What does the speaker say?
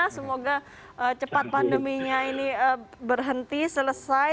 semoga cepat pandeminya ini berhenti selesai